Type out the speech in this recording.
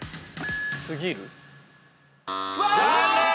残念！